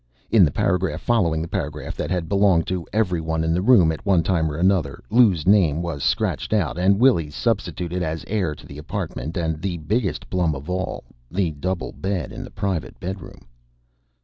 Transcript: In the paragraph following, the paragraph that had belonged to everyone in the room at one time or another, Lou's name was scratched out and Willy's substituted as heir to the apartment and, the biggest plum of all, the double bed in the private bedroom.